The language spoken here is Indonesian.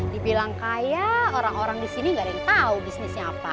dibilang kaya orang orang disini gak ada yang tau bisnisnya apa